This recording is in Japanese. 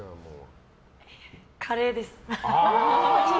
カレーです。